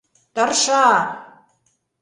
Тырша!